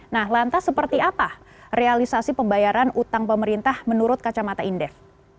nah lantas seperti apa realisasi pembayaran utang pemerintah menurut kacamata indef